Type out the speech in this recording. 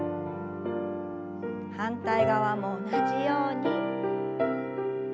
反対側も同じように。